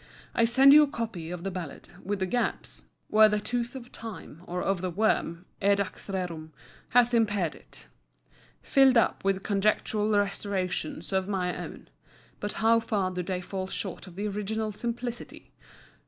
I send you a copy of the Ballad, with the gaps (where the tooth of time or of the worm, edax rerum, hath impaired it) filled up with conjectural restorations of my own. But how far do they fall short of the original simplicity!